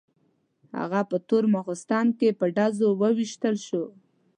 هغه په تور ماخستن کې په ډزو وویشتل شو.